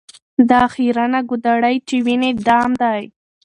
دا خیرنه ګودړۍ چي وینې دام دی